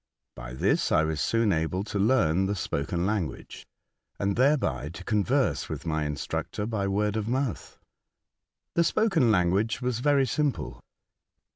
By this I was soon able to learn the spoken language, and thereby to con verse with my instructor by word of mouth. The spoken language was very simple.